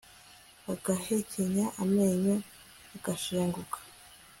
agahekenya amenyo agashenguka